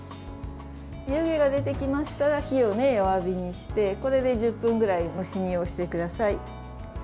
湯気が出てきましたら火を弱火にしてこれで１０分くらい蒸し煮をしてください。